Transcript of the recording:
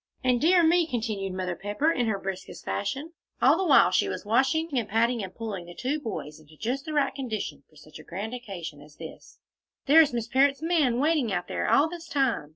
"And, dear me!" continued Mother Pepper, in her briskest fashion, all the while she was washing and patting and pulling the two boys into just the right condition for such a grand occasion as this, "there is Miss Parrott's man waiting out there all this time!